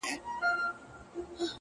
تا چي پر لمانځه له ياده وباسم؛